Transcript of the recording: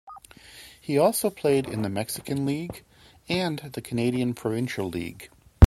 He also played in the Mexican League, and the Canadian Provincial League.